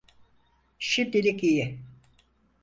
Şimdilik iyi.